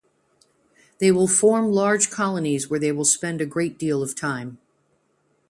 They will form large colonies where they spend a great deal of time.